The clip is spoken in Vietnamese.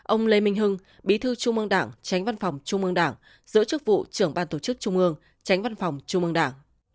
ông lê minh hưng bí thư trung ương đảng tránh văn phòng trung ương đảng giữ chức vụ trưởng ban tổ chức trung ương tránh văn phòng trung ương đảng